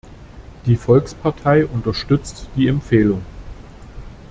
Die Volkspartei unterstützt die Empfehlung.